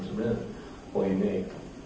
sebenarnya poinnya itu